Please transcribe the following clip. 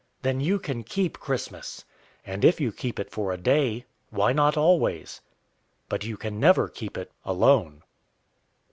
Then you can keep Christmas. And if you keep it for a day, why not always? But you can never keep it alone.